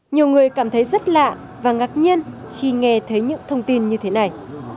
nhiều người cảm thấy rất lạ và ngạc nhiên khi nghe thấy những thông tin như thế này